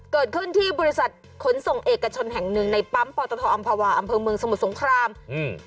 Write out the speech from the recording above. เกิดขึ้นที่บริษัทขนส่งเอกชนแห่งหนึ่งในปั๊มปอตทอำภาวาอำเภอเมืองสมุทรสงครามอืม